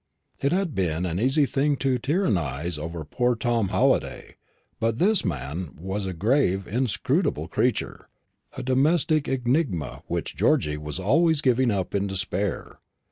It had been an easy thing to tyrannise over poor Tom Halliday; but this man was a grave inscrutable creature, a domestic enigma which Georgy was always giving up in despair.